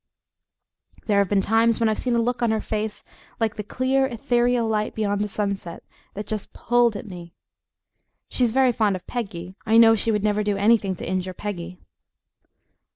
There have been times when I've seen a look on her face, like the clear ethereal light beyond the sunset, that just PULLED at me. She is very fond of Peggy; I know she would never do anything to injure Peggy.